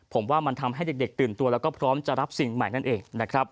ผมว่ามันทำให้เด็กตื่นตัวแล้วก็พร้อมจะรับสิ่งใหม่นั่นเองนะครับ